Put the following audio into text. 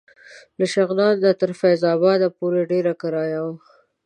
له شغنان نه تر فیض اباد پورې ډېره کرایه وه.